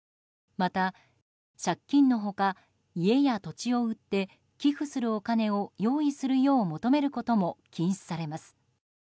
また借金の他家や土地を売って寄付するお金を用意するよう求めることも禁止されます。